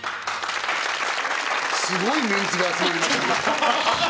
すごいメンツが集まりましたね。